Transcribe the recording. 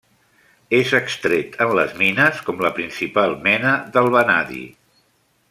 És extret en les mines com la principal mena del vanadi.